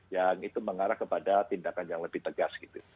yang itu mengarah kepada tindakan yang lebih tegas gitu